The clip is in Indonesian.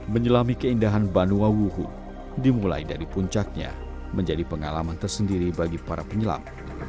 menyelami keindahan banua wuhu dimulai dari puncaknya menjadi pengalaman tersendiri bagi para penyelam